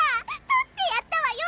取ってやったわよ！